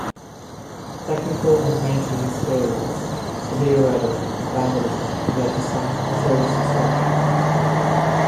Technical and maintenance failures, severe weather and vandalism have led to some service disruptions.